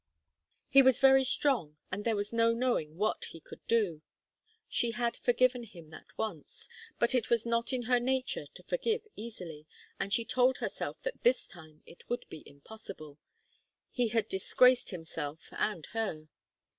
He was very strong, and there was no knowing what he could do. She had forgiven him that once, but it was not in her nature to forgive easily, and she told herself that this time it would be impossible. He had disgraced himself and her.